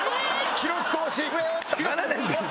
記録更新！